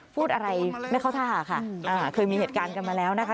พูดอะไรไม่เข้าท่าค่ะเคยมีเหตุการณ์กันมาแล้วนะคะ